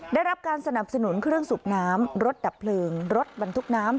ได้รับการสนับสนุนเครื่องสูบน้ำรถดับเพลิงรถบรรทุกน้ำ